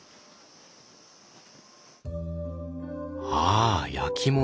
ああ焼き物。